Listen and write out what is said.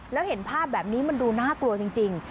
แล้วเห็นภาพแบบนี้มันดูน่ากลัวจริง